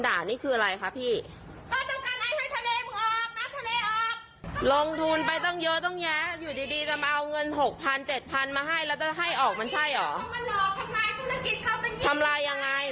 ทำลายยังไงถ้าถ้าทุกคนปิดร้านเหมือนคุณโมทเนี้ย